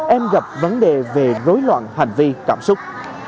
em gặp vấn đề về dối loạn hành vi cảm xúc